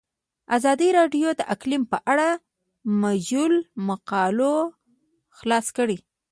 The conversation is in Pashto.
ازادي راډیو د اقلیم په اړه د مجلو مقالو خلاصه کړې.